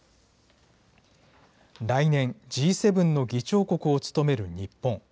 来年、Ｇ７の議長国を務める日本。